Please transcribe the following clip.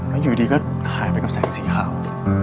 แล้วอยู่ดีก็หายไปกับแสงสีขาว